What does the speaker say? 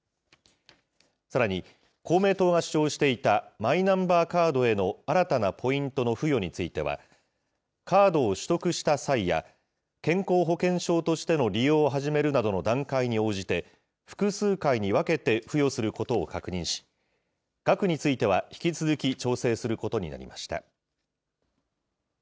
さらに、公明党が主張していたマイナンバーカードへの新たなポイントの付与については、カードを取得した際や、健康保険証としての利用を始めるなどの段階に応じて、複数回に分けて付与することを確認し、額については引き続き、調整することになりました。